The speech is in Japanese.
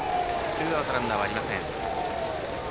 ツーアウトランナーはありません。